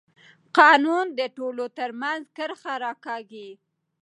قانون د ټولو ترمنځ کرښه راکاږي